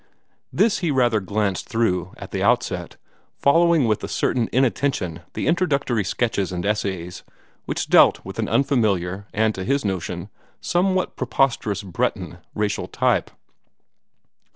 This he rather glanced through, at the outset, following with a certain inattention the introductory sketches and essays, which dealt with an unfamiliar, and, to his notion, somewhat preposterous Breton racial type.